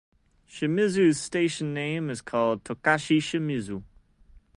Shimizu's station name is called Tokachi Shimizu.